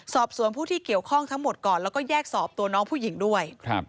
สอบสวนผู้ที่เกี่ยวข้องทั้งหมดก่อนแล้วก็แยกสอบตัวน้องผู้หญิงด้วย